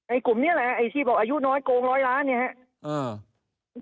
กลุ่มนี้แหละไอ้ที่บอกอายุน้อยโกงร้อยล้านเนี่ยครับ